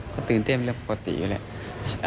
ก็ตื่นเต้นเรื่องปกติอยู่แหละ